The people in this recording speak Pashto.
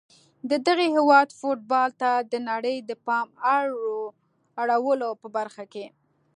د دغه هیواد فوتبال ته د نړۍ د پام اړولو په برخه کې